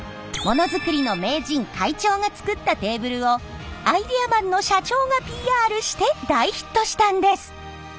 モノづくりの名人会長が作ったテーブルをアイデアマンの社長がＰＲして大ヒットしたんです。